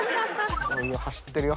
走ってるよ